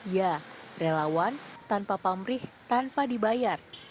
ya relawan tanpa pamrih tanpa dibayar